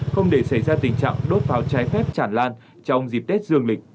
không để xảy ra tình trạng đốt pháo trái phép chản lan trong dịp tết dương lịch